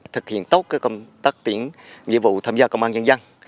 thực hiện tốt công tác tuyển nghĩa vụ tham gia công an nhân dân